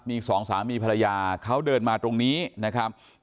มีสองสามีภรรยาเขาเดินมาตรงนี้นะครับ